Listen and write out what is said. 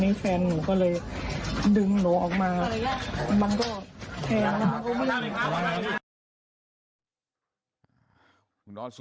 แฟนหนูก็เลยดึงหนูออกมามันก็แทง